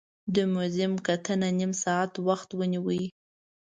د موزیم کتنه نیم ساعت وخت ونیو.